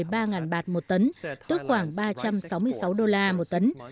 giá loại gạo này lên mức một mươi ba bạt một tấn tức khoảng ba trăm sáu mươi sáu đô la một tấn